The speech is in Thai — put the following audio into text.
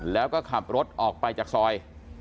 แล้วก็ขับรถออกไปจากซอย